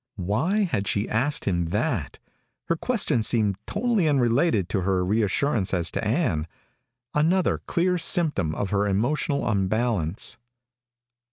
Why had she asked him that? Her question seemed totally unrelated to her reassurance as to Ann another clear symptom of her emotional unbalance.